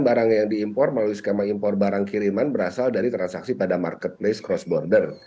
sembilan puluh barang yang diimpor melalui skema impor barang kiriman berasal dari transaksi pada marketplace cross border